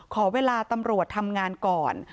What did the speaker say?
ขอเวลาตำรวจทำงานก่อน